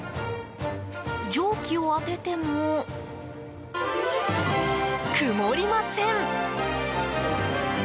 蒸気を当てても、曇りません。